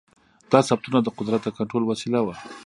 دا ثبتونه د قدرت د کنټرول وسیله وه.